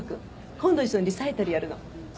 今度一緒にリサイタルやるの。